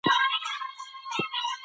مهم کسان هغه دي چې درسره صادق وي.